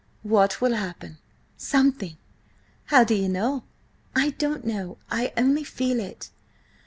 "What will happen?" "Something!" "How do ye know?" "I don't know; I only feel it."